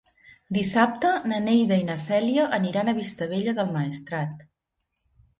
Dissabte na Neida i na Cèlia aniran a Vistabella del Maestrat.